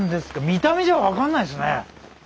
見た目じゃ分かんないですね。